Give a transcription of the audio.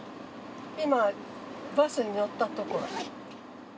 今バスに乗ったところ。